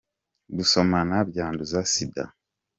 Gusomana byanduza Sinda